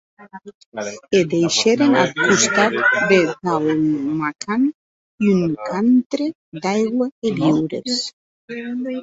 E deishèren ath costat de Daul’makan, un cantre d’aigua e viures.